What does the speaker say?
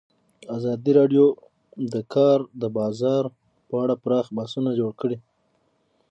ازادي راډیو د د کار بازار په اړه پراخ بحثونه جوړ کړي.